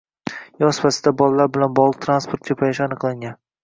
Yoz faslida bolalar bilan bog‘liq transport ko‘payishi aniqlangan.